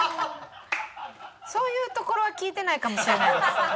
そういうところは聞いてないかもしれないです。